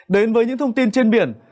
đến với những thông tin trên biển